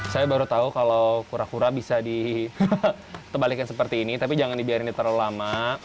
saya baru tahu kalau kura kura bisa ditebalikin seperti ini tapi jangan dibiarin terlalu lama